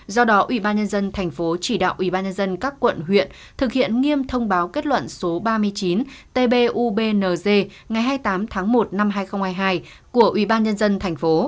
do đó ủy ban nhân dân thành phố chỉ đạo ủy ban nhân dân các quận huyện thực hiện nghiêm thông báo kết luận số ba mươi chín tbubng ngày hai mươi tám tháng một năm hai nghìn hai mươi hai của ủy ban nhân dân thành phố